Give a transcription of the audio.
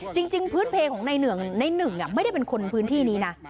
จริงพื้นเพลงของนายหนึ่งนายหนึ่งไม่ได้เป็นคนพื้นที่นี่นะ